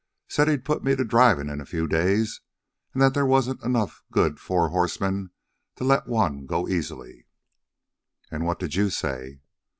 Said he'd put me to drivin' in a few days, an' that there wasn't enough good four horse men to let one go easily." "And what did you say?"